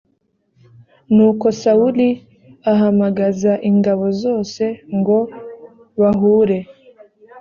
nuko sawuli ahamagaza ingabo zose ngo bahure